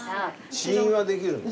試飲はできるんですか？